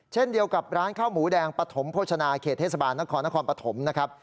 เช่นเดียวกับร้านข้าวหมูแดงปฐมโภชนาเขตเทศบาลนครนครปฐมนะครับ